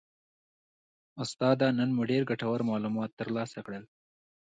استاده نن مو ډیر ګټور معلومات ترلاسه کړل